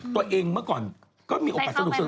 ตัวเองเมื่อก่อนก็มีโอกาสสรุปสุด